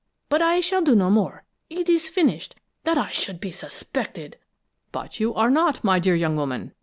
But I shall do no more; it is finished. That I should be suspected " "But you are not, my dear young woman!"